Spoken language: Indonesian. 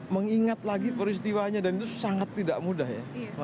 mengingat lagi peristiwanya dan itu sangat tidak mudah ya